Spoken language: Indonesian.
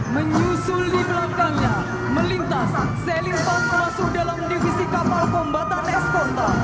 menyusul di belakangnya melintas selimpan masuk dalam divisi kapal pembatan eskosta